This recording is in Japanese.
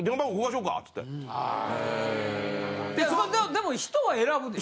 でも人は選ぶでしょ？